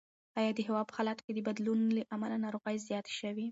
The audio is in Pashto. ایا د هوا په حالاتو کې د بدلون له امله ناروغۍ زیاتې شوي؟